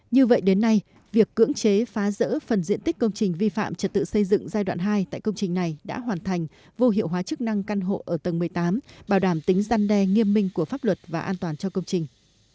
như vậy đến nay việc cưỡng chế phá rỡ phần diện tích công trình vi phạm trật tự xây dựng giai đoạn hai tại công trình này đã hoàn thành vô hiệu hóa chức năng căn hộ ở tầng một mươi tám bảo đảm tính gian đe nghiêm minh của pháp luật và an toàn cho công trình